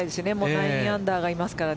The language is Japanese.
９アンダーがいますから。